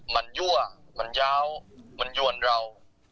มันยั่วมันยาวมันหยวนเรา